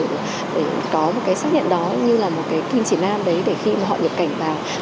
để có một cái xác nhận đó như là một cái kinh chỉnh an đấy để khi mà họ nhập cảnh vào